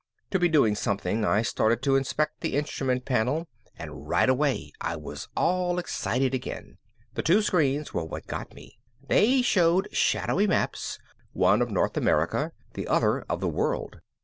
To be doing something I started to inspect the instrument panel and right away I was all excited again. The two screens were what got me. They showed shadowy maps, one of North America, the other of the World.